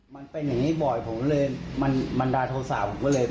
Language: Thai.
มันเป็นแบบนี้บ่อยมันดาโศษา